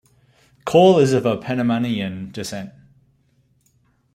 Cole is of Panamanian descent.